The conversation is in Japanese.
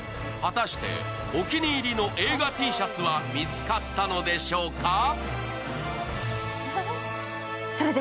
果たしてお気に入りの映画Ｔシャツは見つかったのでしょうか。